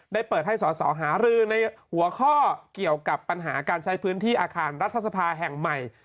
ได้เปิดให้สอสอหารือในหัวข้อเกี่ยวกับปัญหาการใช้พื้นที่อาคารรัฐสภาแห่งใหม่